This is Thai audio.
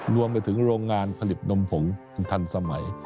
รวมไปถึงโรงงานผลิตนมผงทันสมัย